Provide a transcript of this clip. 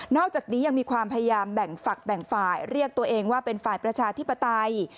อกจากนี้ยังมีความพยายามแบ่งฝักแบ่งฝ่ายเรียกตัวเองว่าเป็นฝ่ายประชาธิปไตย